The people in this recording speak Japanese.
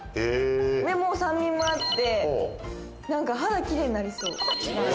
でも酸味もあって何か肌キレイになりそう。